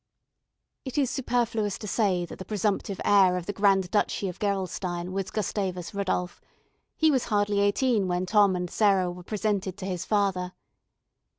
It is superfluous to say that the presumptive heir of the Grand Duchy of Gerolstein was Gustavus Rodolph: he was hardly eighteen when Tom and Sarah were presented to his father.